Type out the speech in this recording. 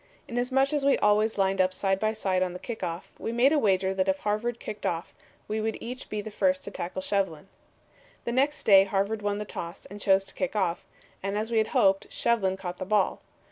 Inasmuch as we always lined up side by side on the kick off, we made a wager that if Harvard kicked off we would each be the first to tackle Shevlin. "The next day Harvard won the toss and chose to kick off, and as we had hoped, Shevlin caught the ball.